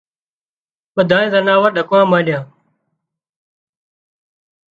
ٻڌانئي زناور ڏڪوا مانڏيا